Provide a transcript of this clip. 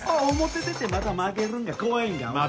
表出てまた負けるんが怖いんか？